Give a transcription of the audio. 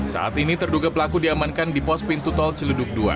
saat ini terduga pelaku diamankan di pos pintu tol ciledug dua